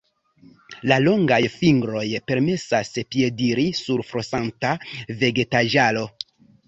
La longaj fingroj permesas piediri sur flosanta vegetaĵaro.